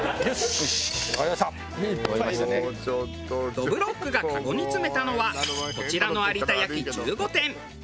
どぶろっくがカゴに詰めたのはこちらの有田焼１５点。